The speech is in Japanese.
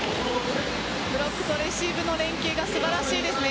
ブロックとレシーブの連係が素晴らしいですね。